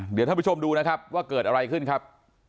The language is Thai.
เดี๋ยวท่านผู้ชมดูนะครับว่าเกิดอะไรขึ้นครับ